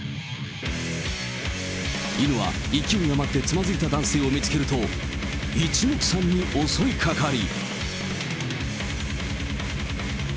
犬は勢い余ってつまずいた男性を見つけると、一目散に襲いかかり。